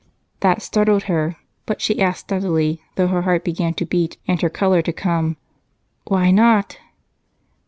That startled her, but she asked steadily, though her heart began to beat and her color to come: "Why not?"